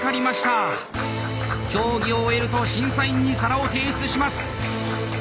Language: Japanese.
競技を終えると審査員に皿を提出します。